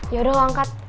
ya udah lo angkat